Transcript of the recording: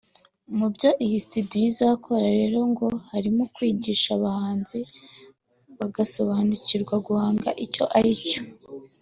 Mu byo iyi sitidiyo izakora reo ngo harimo kwigisha abahanzi bagasobanurirwa guhanga icyo ari cyo